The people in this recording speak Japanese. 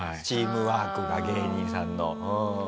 チームワークが芸人さんの。